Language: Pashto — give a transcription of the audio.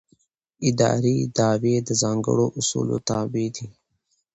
اداري دعوې د ځانګړو اصولو تابع دي.